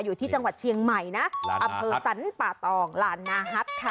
อยู่ที่จังหวัดเชียงใหม่นะอำเภอสรรป่าตองลานนาฮัทค่ะ